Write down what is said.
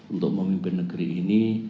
untuk memimpin negeri ini